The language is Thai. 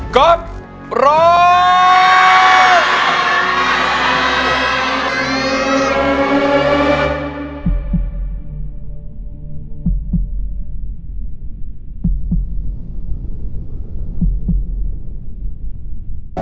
กดโทรศัพท์